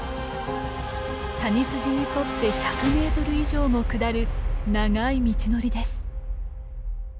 谷筋に沿って１００メートル以上も下る長い道のりです。